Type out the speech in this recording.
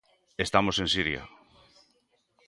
Estamos en Siria.